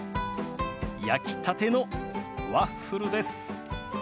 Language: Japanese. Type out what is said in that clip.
焼きたてのワッフルです。